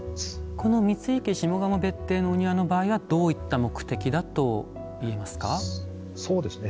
この三井家下鴨別邸の場合どういった目的だといえますか？